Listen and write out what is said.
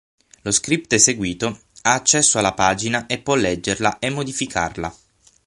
Lo script eseguito ha accesso alla pagina e può leggerla e modificarla.